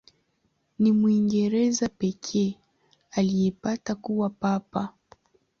Ni Mwingereza pekee aliyepata kuwa Papa.